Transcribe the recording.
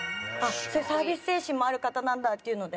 サービス精神もある方なんだっていうので。